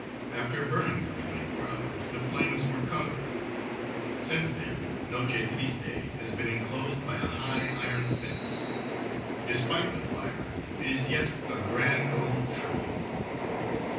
After burning for twenty four hours the flames were conquered. Since then Noche Triste has been inclosed by a high, iron fence; despite the fire it is yet a grand old tree.